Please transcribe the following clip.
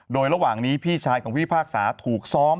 โดยระหว่างนี้พี่ชายของพี่พิพากษาถูกซ้อม